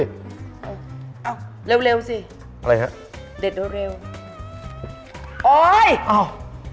เอ้าเร็วเร็วสิอะไรฮะเด็ดเร็วเร็วโอ้ยอ้าว